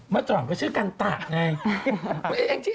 มาจ่อนก็ชื่อกันตะไง